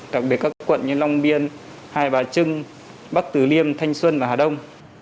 đặc biệt các quận như long biên hai bà trưng bắc tử liêm thanh xuân và hà đông